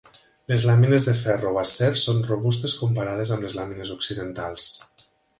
Les làmines de ferro o acer són robustes comparades amb les làmines occidentals.